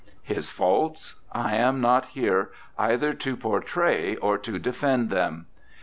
His faults ? I am not here either to portray or to defend them.